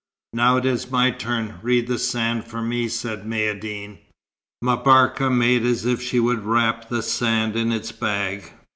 "Now it is my turn. Read the sand for me," said Maïeddine. M'Barka made as if she would wrap the sand in its bag.